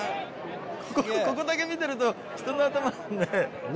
ここだけ見てると人の頭ね。